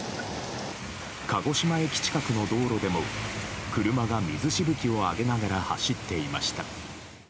鹿児島駅近くの道路でも車が水しぶきを上げながら走っていました。